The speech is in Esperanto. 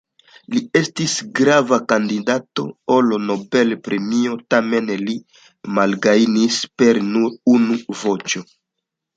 Li estis grava kandidato al Nobel-premio tamen li malgajnis per nur unu voĉo.